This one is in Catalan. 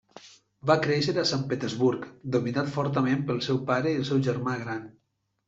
Va créixer a Sant Petersburg dominat fortament pel seu pare i el seu germà gran.